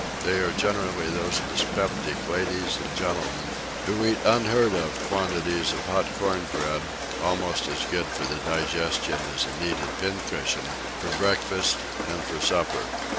They are generally those dyspeptic ladies and gentlemen who eat unheard of quantities of hot corn bread (almost as good for the digestion as a kneaded pin cushion), for breakfast, and for supper.